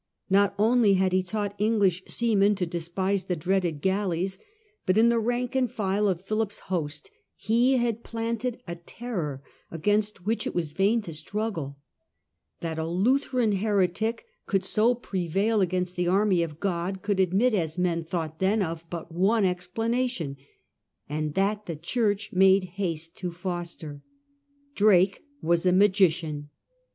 Not only had he taught English seamen to despise the dreaded galleys, but in the rank and file of Philip's host he had planted a terror against which it was vain to struggla That a Lutheran heretic could so prevail against the army of God could admit, as men thought then, of but one explanation, and that the Church made haste to foster. Drake was a magician.